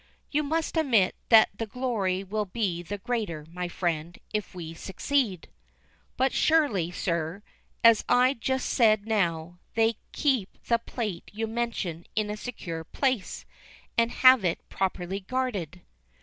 "You must admit that the glory will be the greater, my friend, if we succeed." "But surely, sir, as I said just now, they keep the plate you mention in a secure place, and have it properly guarded."